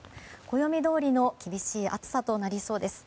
暦どおりの厳しい暑さとなりそうです。